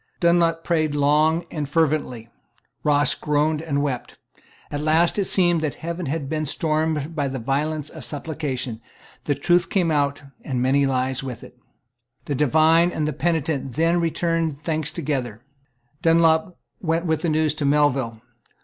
Dunlop prayed long and fervently; Ross groaned and wept; at last it seemed that heaven had been stormed by the violence of supplication; the truth came out, and many lies with it. The divine and the penitent then returned thanks together. Dunlop went with the news to Melville.